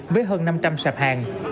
với hơn năm trăm linh sạp hàng